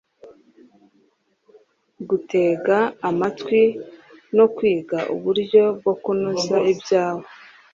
gutega amatwi no kwiga uburyo bwo kunoza ibyawe